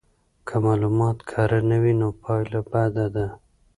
که معلومات کره نه وي نو پایله بده ده.